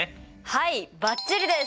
はいバッチリです！